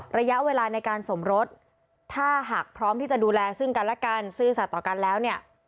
ระยะเวลาในการสมรสถ้าหากพร้อมที่จะดูแลซึ่งกันและกันซื่อสัตว์ต่อกันแล้วเนี่ย